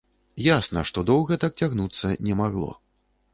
Ясна, што доўга так цягнуцца не магло.